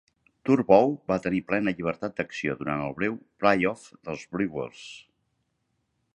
Turnbow va tenir plena llibertat d'acció durant el breu playoff dels Brewers.